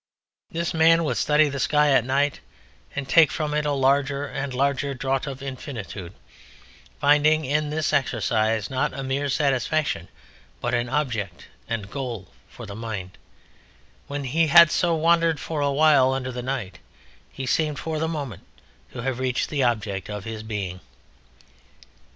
This man would study the sky at night and take from it a larger and a larger draught of infinitude, finding in this exercise not a mere satisfaction, but an object and goal for the mind; when he had so wandered for a while under the night he seemed, for the moment, to have reached the object of his being.